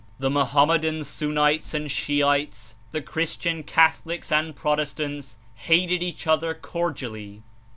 1 he Mohammedan Sun nites and Shiites, the Christian Catholics and Pro testants, hated each other cordlallv.